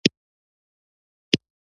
د ماشوم د کانګو لپاره د اوبو ورکول بند کړئ